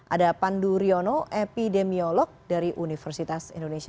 ada pandu riono epidemiolog dari universitas indonesia